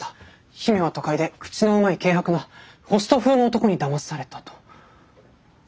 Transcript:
姫は都会で口のうまい軽薄なホスト風の男にだまされたと。